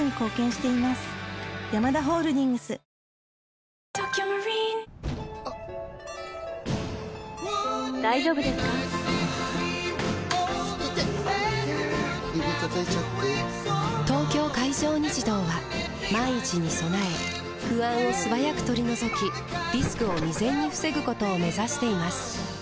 指たたいちゃって・・・「東京海上日動」は万一に備え不安を素早く取り除きリスクを未然に防ぐことを目指しています